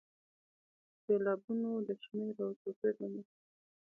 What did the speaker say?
د سېلابونو د شمېر او توپیر له مخې.